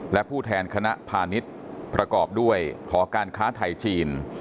และผู้แทนคณะพาณิชย์ประกอบด้วยหอการค้าไทยจีน